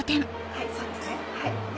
はいそうですね。